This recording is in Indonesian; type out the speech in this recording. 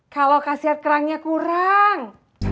kalau kasihat kerangnya kurang